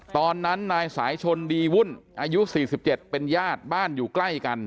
ตอนนั้นนายสายชนดีวุ่นอายุ๔๗เป็นญาติบ้านอยู่ใกล้กัน